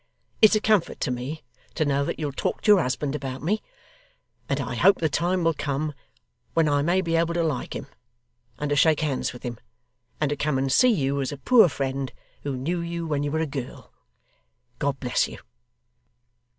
It's a comfort to me to know that you'll talk to your husband about me; and I hope the time will come when I may be able to like him, and to shake hands with him, and to come and see you as a poor friend who knew you when you were a girl. God bless you!